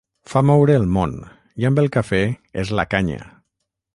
Fa moure el món, i amb el cafè és la canya.